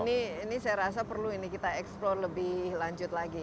nah ini saya rasa perlu ini kita eksplore lebih lanjut lagi